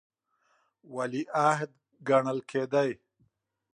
ولیعهد ګڼل کېدی.